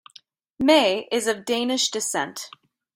May is of Danish descent.